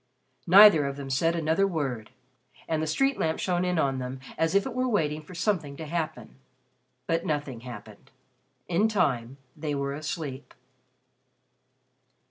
Neither of them said another word, and the street lamp shone in on them as if it were waiting for something to happen. But nothing happened. In time they were asleep.